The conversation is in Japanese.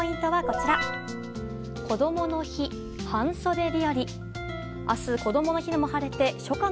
こどもの日、半袖日和。